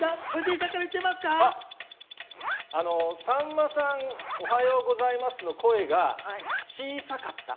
藤井さんか「さんまさん、おはようございます」の声が小さかった。